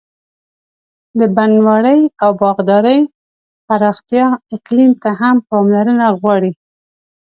د بڼوالۍ او باغدارۍ پراختیا اقلیم ته هم پاملرنه غواړي.